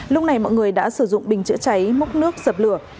lúc này mọi người đã sử dụng bình chữa cháy mốc nước sập lửa